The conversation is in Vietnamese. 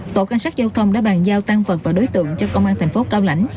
tổ cảnh sát giao thông đã bàn giao tăng vật và đối tượng cho công an thành phố cao lãnh